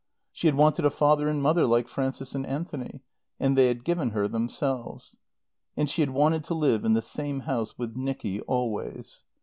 She had wanted a father and mother like Frances and Anthony; and they had given her themselves. And she had wanted to live in the same house with Nicky always.